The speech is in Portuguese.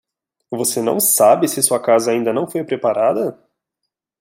Você não sabe se sua casa ainda não foi preparada?